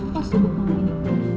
kok sedih banget ini